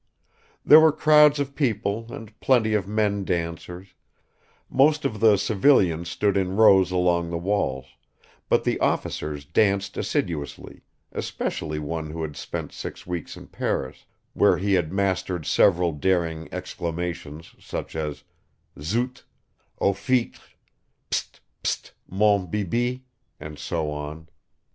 There were crowds of people and plenty of men dancers; most of the civilians stood in rows along the walls, but the officers danced assiduously, especially one who had spent six weeks in Paris, where he had mastered several daring exclamations such as zut, Ah fichtre, pst, pst, mon bibi, and so on.